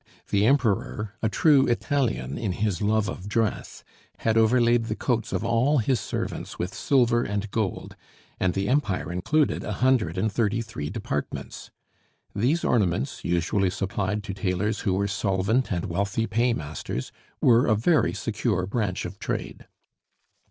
The Emperor, a true Italian in his love of dress, had overlaid the coats of all his servants with silver and gold, and the Empire included a hundred and thirty three Departments. These ornaments, usually supplied to tailors who were solvent and wealthy paymasters, were a very secure branch of trade.